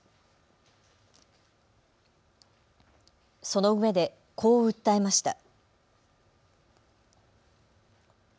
そのうえで、こう訴えました。